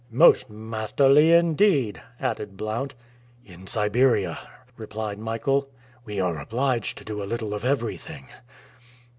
"Most masterly, indeed," added Blount. "In Siberia," replied Michael, "we are obliged to do a little of everything."